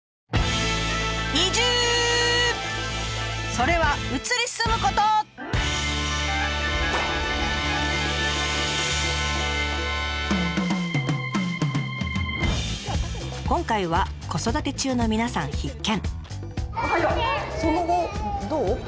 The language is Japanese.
それは今回は子育て中の皆さん必見。